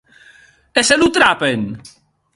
E se lo trapen?